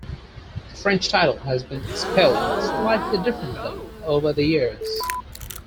The French title has been spelled slightly differently over the years.